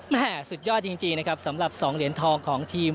แม่สุดยอดจริงนะครับสำหรับ๒เหรียญทองของทีม